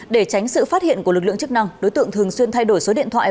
để tránh sự phát hiện của lực lượng chức năng đối tượng thường xuyên thay đổi số điện thoại